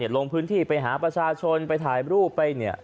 ลงพื้นที่ไปหาประชาชนไปถ่ายรูปไป